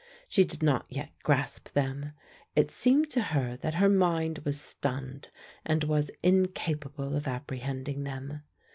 She did not yet grasp them: it seemed to her that her mind was stunned and was incapable of apprehending them.